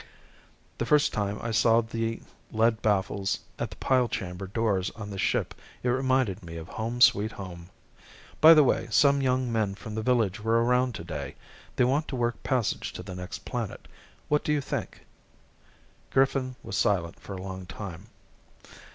The first time I saw the lead baffles at the pile chamber doors on this ship it reminded me of home sweet home. By the way, some young men from the village were around today. They want to work passage to the next planet. What do you think?" Griffin was silent for a long time.